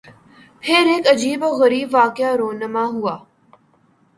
پھر ایک عجیب و غریب واقعہ رُونما ہوا